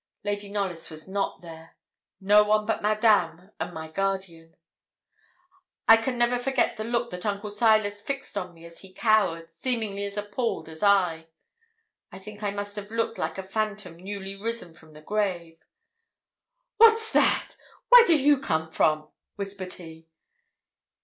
Lady Knollys was not there no one but Madame and my guardian. I can never forget the look that Uncle Silas fixed on me as he cowered, seemingly as appalled as I. I think I must have looked like a phantom newly risen from the grave. 'What's that? where do you come from?' whispered he.